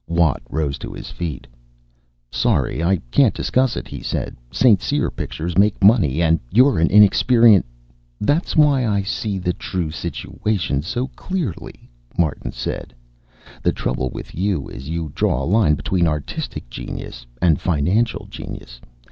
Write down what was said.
Watt rose to his feet. "Sorry, I can't discuss it," he said. "St. Cyr pictures make money, and you're an inexperien " "That's why I see the true situation so clearly," Martin said. "The trouble with you is you draw a line between artistic genius and financial genius.